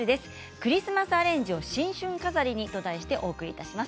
クリスマスアレンジを新春飾りにと題して、お伝えします。